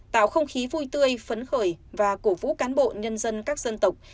tạo không khí vui tươi phấn khởi và cổ vũ cán bộ nhân dân các dân tộc